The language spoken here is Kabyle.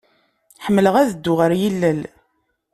Ḥemmleɣ ad dduɣ ɣer yilel.